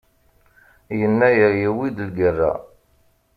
Yennayer yuwi-d lgerra.